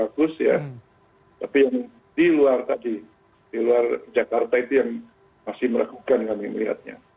tapi yang di luar tadi di luar jakarta itu yang masih meregukan kami melihatnya